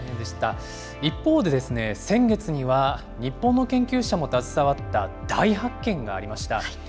一方で先月には、日本の研究者も携わった大発見がありました。